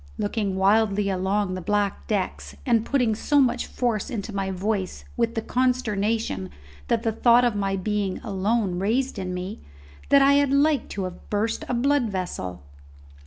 looking wildly along the black decks, and putting so much force into my voice with the consternation that the thought of my being alone raised in me, that I had like to have burst a blood vessel.